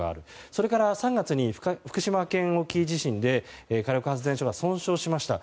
それから３月に福島県沖地震で火力発電所が損傷しました。